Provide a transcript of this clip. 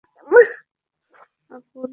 আব্বু, দেখো!